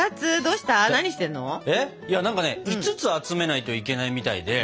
何かね５つ集めないといけないみたいで。